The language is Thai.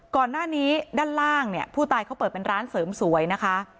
ก่อนหน้านี้ด้านล่างเนี่ยผู้ตายเขาเปิดเป็นร้านเสริมสวยนะคะ